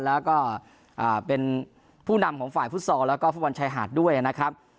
แล้วก็เป็นผู้นำของฝ่ายฟุตซอลแล้วก็ฟุตบอลชายหาดด้วยนะครับ